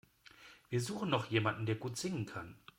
Wir suchen noch jemanden, der gut singen kann.